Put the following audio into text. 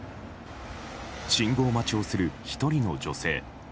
信号待ちをする１人の女性。